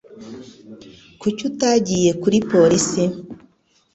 Kuki utagiye kuri polisi?